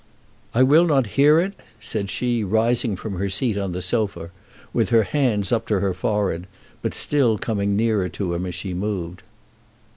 "I will not hear it," said she, rising from her seat on the sofa with her hands up to her forehead, but still coming nearer to him as she moved.